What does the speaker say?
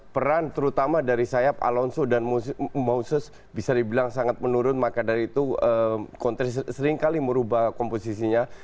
peran terutama dari sayap alonso dan moses bisa dibilang sangat menurun maka dari itu seringkali merubah komposisinya